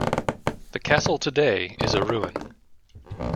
The castle today is a ruin.